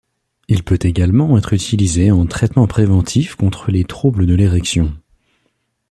Il peut également être utilisé en traitement préventif contre les troubles de l'érection.